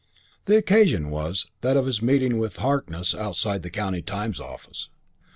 The occasion was that of his meeting with Harkness outside the County Times office.